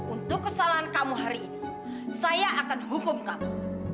untuk kesalahan kamu hari ini saya akan hukum kamu